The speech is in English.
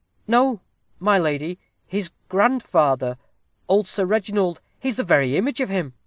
"No, my lady, his grandfather old Sir Reginald. He's the very image of him.